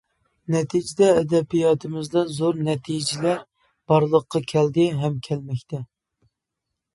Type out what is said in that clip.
نەتىجىدە ئەدەبىياتىمىزدا زور نەتىجىلەر بارلىققا كەلدى ھەم كەلمەكتە.